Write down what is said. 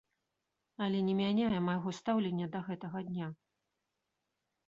Але не мяняе майго стаўлення да гэтага дня.